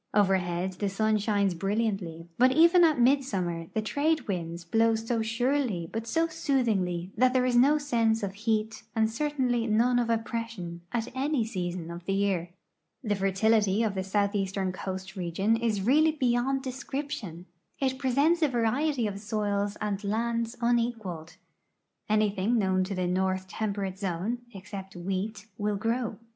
Overhead the sun shines brilliantly, but even at midsummer the trade winds blowso surely but so soothingly that there is no sense of heat and certainly none of oppression at any season of the year. The fertility of the southeastern coast region is really beyond descrii>tion. It presents a variety of soils and lands unequaled. Anything known to the north temperate zone, except wheat, will grow.